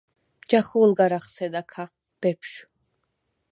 ჯახუ̄ლ გარ ახსედა ქა, ბეფშვ.